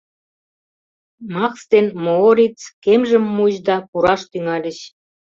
Макс ден Моориц кемжым муыч да пураш тӱҥальыч.